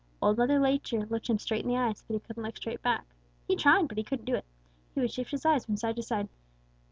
Old Mother Nature looked him straight in the eyes, but he couldn't look straight back. He tried, but he couldn't do it. He would shift his eyes from side to side.